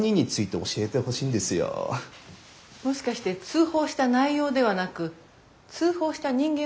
もしかして通報した内容ではなく通報した人間を調べようとしていますか？